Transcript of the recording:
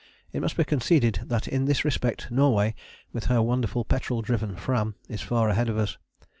It must be conceded that in this respect Norway, with her wonderful petrol driven Fram, is far ahead of us.